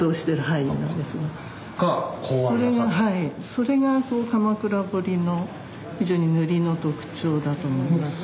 それが鎌倉彫の塗りの特徴だと思います。